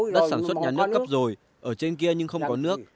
đất sản xuất nhà nước cấp rồi ở trên kia nhưng không có nước